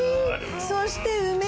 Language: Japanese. そして梅！